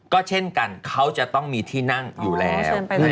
ก็เช่นกันเขาจะต้องมีที่นั่งอยู่แล้ว